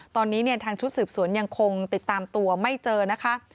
ตอนนี้เนี่ยทางชุดสืบสวนยังคงติดตามตัวไม่เจอนะคะ